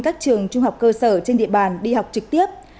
các trường trung học cơ sở trên địa bàn đi học trực tiếp